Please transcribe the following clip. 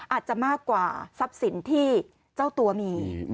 อาจจะมากกว่าทรัพย์สินที่เจ้าตัวมี